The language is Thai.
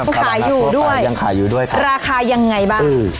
พวกเขาย่อยด้วยราคายังไงบ้าง